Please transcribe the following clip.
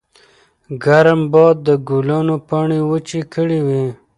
ګرم باد د ګلانو پاڼې وچې کړې وې.